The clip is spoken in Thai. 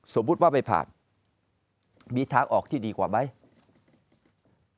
สมมุติว่าไปผ่านมีทางออกที่ดีกว่าไหม